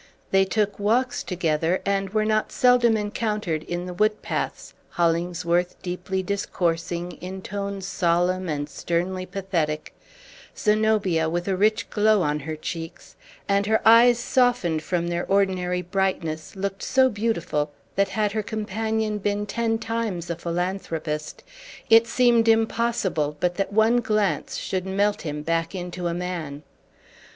They took walks together, and were not seldom encountered in the wood paths: Hollingsworth deeply discoursing, in tones solemn and sternly pathetic; Zenobia, with a rich glow on her cheeks, and her eyes softened from their ordinary brightness, looked so beautiful, that had her companion been ten times a philanthropist, it seemed impossible but that one glance should melt him back into a man.